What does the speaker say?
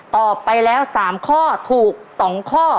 ตอบไปแล้ว๓ข้อถูก๒ข้อ